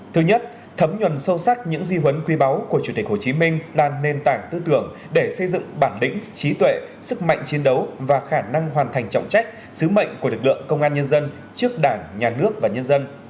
thứ nhất thấm nhuần sâu sắc những di huấn quý báu của chủ tịch hồ chí minh là nền tảng tư tưởng để xây dựng bản lĩnh trí tuệ sức mạnh chiến đấu và khả năng hoàn thành trọng trách sứ mệnh của lực lượng công an nhân dân trước đảng nhà nước và nhân dân